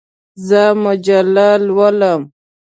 زه مجله لولم.